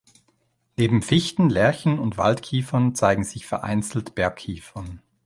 Neben Fichten, Lärchen und Wald-Kiefern zeigen sich vereinzelt Berg-Kiefern.